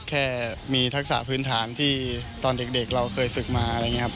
แค่มีทักษะพื้นฐานที่ตอนเด็กเราเคยฝึกมาอะไรอย่างนี้ครับ